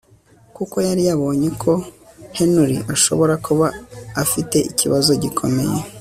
kuko yari yabonyeko Henry ashobora kuba afite ikibazo gikomeye